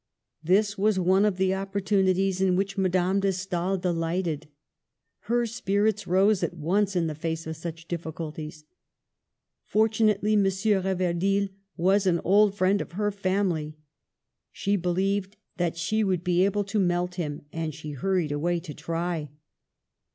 This was one of the opportunities in which Mad ame de Stael delighted. Her spirits rose at once in the face of such difficulties. Fortunately, M. Reverdil was an old friend of her family; she believed that she would be able to melt him, and she hurried away to try.